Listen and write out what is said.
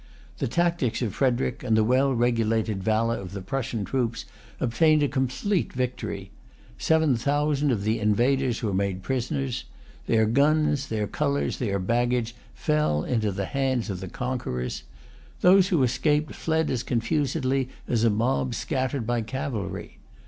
The tactics of Frederic, and the well regulated valor of the Prussian troops, obtained a complete victory. Seven thousand of the invaders were made prisoners. Their guns, their colors, their baggage, fell into the hands of the conquerors. Those who escaped fled as confusedly as a mob scattered by cavalry.